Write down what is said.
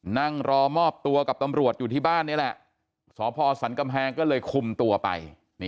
นั่งรอมอบตัวกับตำรวจอยู่ที่บ้านนี่แหละสพสันกำแพงก็เลยคุมตัวไป